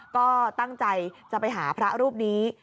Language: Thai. ก็ตั้งใจจะไปหาพระรูปนี้